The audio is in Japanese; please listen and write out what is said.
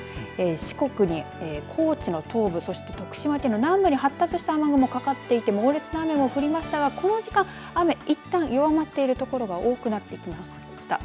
四国に高知の東部そして徳島県の南部に発達した雨雲がかかっていて猛烈な雨が降りましたがこの時間いったん雨が弱まっている所が多くなってきました。